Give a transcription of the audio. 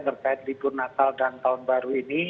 terkait libur natal dan tahun baru ini